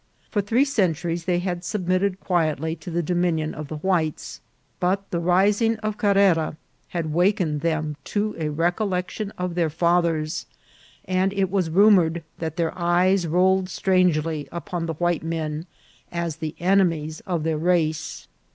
For three centuries they had submitted quietly to the dominion of the whites, but the rising of Carrera had waked them up to a recollection of their fathers, and it was rumoured that their eyes rolled strangely upon the white men as the enemies of their race.